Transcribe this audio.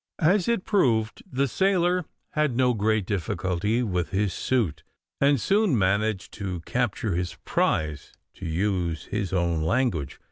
As it proved, the sailor had no very great difficulty with his suit, and soon managed to capture his prize, to use his own language.